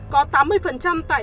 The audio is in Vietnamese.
có tám mươi tại